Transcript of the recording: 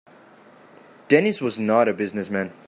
Dennis was not a business man.